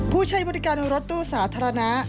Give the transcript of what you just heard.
ผู้ใช้บริการรถตู้สาธารณะ